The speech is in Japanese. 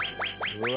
うわ！